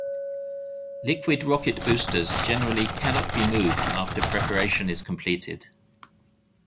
Liquid rocket boosters generally cannot be moved after preparation is completed.